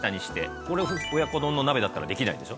これ親子丼の鍋だったらできないでしょ？